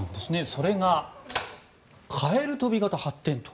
それがカエル跳び型発展と。